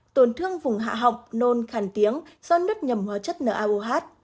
tổn thương vùng hạ họng nôn khàn tiếng do nước nhầm hóa chất naoh